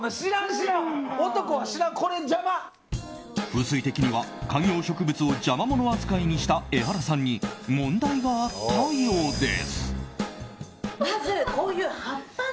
風水的には観葉植物を邪魔者扱いにしたエハラさんに問題があったようで。